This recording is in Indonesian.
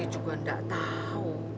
yanti juga gak tahu